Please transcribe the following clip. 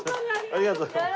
ありがとうございます。